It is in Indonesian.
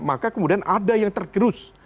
maka kemudian ada yang tergerus